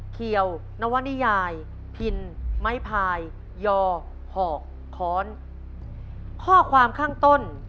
ข้อความข้างต้น